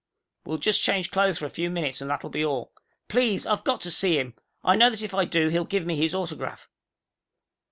We'll just change clothes for a few minutes, and that'll be all. Please, I've got to see him. I know that if I do, he'll give me his autograph."